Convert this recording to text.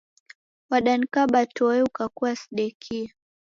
Wadanikaba toe ukakua sidekie